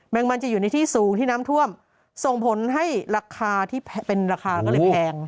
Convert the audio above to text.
งมันจะอยู่ในที่สูงที่น้ำท่วมส่งผลให้ราคาที่เป็นราคาก็เลยแพง